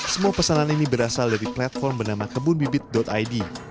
semua pesanan ini berasal dari platform bernama kebunbibit id